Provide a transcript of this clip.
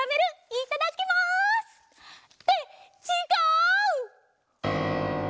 いただきます！ってちがう！